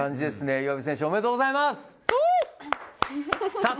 岩渕選手、おめでとうございます。